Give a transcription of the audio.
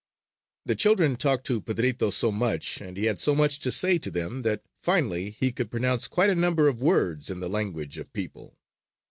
The children talked to Pedrito so much, and he had so much to say to them, that finally he could pronounce quite a number of words in the language of people.